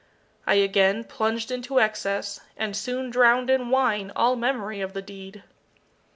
I again plunged into excess, and soon drowned in wine all memory of the deed.